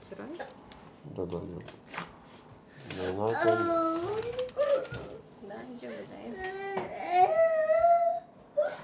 大丈夫だよ。